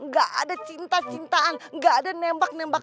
gak ada cinta cintaan gak ada nembak nembak